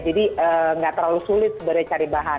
jadi nggak terlalu sulit sebenarnya cari bahan